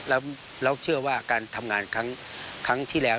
แล้วเชื่อว่าการทำงานครั้งที่แล้ว